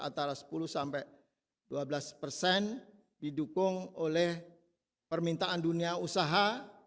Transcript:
antara sepuluh sampai dua belas persen didukung oleh permintaan dunia usaha